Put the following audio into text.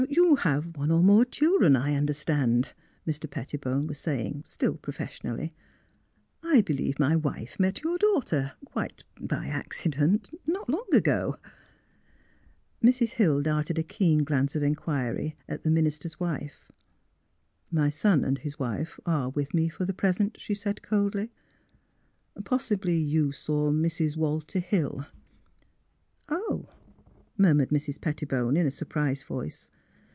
" You have one or more children, I under stand? " Mr. Pettibone was saying, still profes sionally. '' I believe my wife met your daughter, quite — er — by accident, not long ago." Mrs. Hill darted a keen glance of inquiry at the minister's wife. '' My son and his mfe are with me for the present," she said, coldly. " Possibly — you saw Mrs. Walter Hill." " Oh! " murmured Mrs. Pettibone in a sur prised voice.